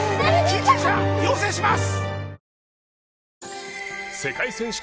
救急車要請します！